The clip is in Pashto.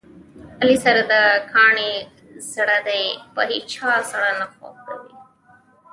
علي سره د کاڼي زړه دی، په هیچا یې زړه نه خوګېږي.